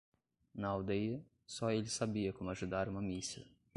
Na aldeia, só ele sabia como ajudar uma missa.